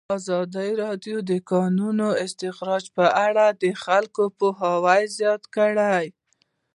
ازادي راډیو د د کانونو استخراج په اړه د خلکو پوهاوی زیات کړی.